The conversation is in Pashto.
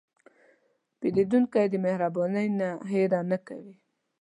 پیرودونکی د مهربانۍ نه هېره نه کوي.